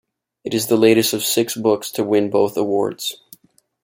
It is the latest of six books to win both awards.